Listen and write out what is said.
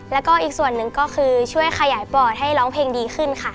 แล้วก็อีกส่วนหนึ่งก็คือช่วยขยายปอดให้ร้องเพลงดีขึ้นค่ะ